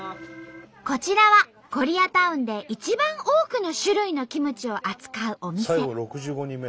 こちらはコリアタウンで一番多くの種類のキムチを扱うお店。